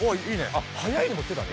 あっ速いのも手だね。